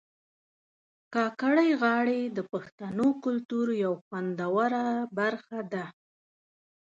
کاکړۍ غاړي د پښتنو کلتور یو خوندوره برخه ده